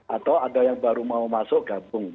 atau ada yang baru mau masuk gabung